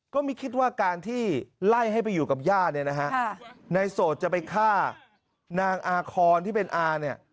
ก็ไม่คิดว่าการที่ไล่ให้ไปอยู่กับย่าเนี่ยนะฮะในโสดจะไปฆ่านางอาคอนที่เป็นอาเนี่ย